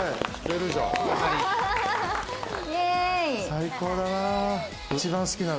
最高だな！